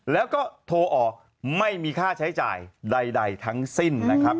แล้วก็โทรออกไม่มีค่าใช้จ่ายใดทั้งสิ้นนะครับ